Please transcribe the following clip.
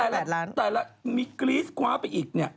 แต่แล้วทำให้กรี๊สคว้าไปอีกเนี่ย